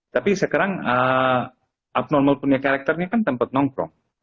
tapi sekarang abnormal punya karakter ini kan tempat nongkrong